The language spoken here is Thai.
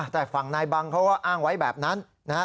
แต่ฝั่งนายบังเขาก็อ้างไว้แบบนั้นนะครับ